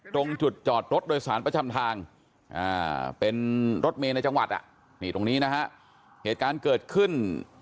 ตรงจุดจอดรถโดยสารประจำทางเป็นรถเมย์ในจังหวัดนี่ตรงนี้นะฮะเหตุการณ์เกิดขึ้น